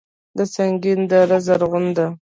د سنګین دره زرغونه ده